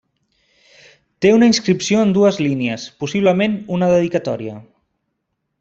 Té una inscripció en dues línies, possiblement una dedicatòria.